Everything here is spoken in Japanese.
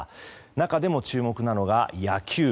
中でも注目なのが、野球。